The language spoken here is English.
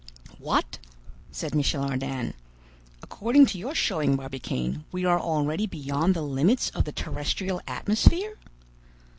"What!" said Michel Ardan. "According to your showing, Barbicane, we are already beyond the limits of the terrestrial atmosphere?"